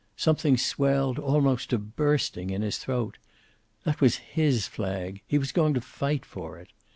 Something swelled almost to bursting in his throat. That was his flag. He was going to fight for it.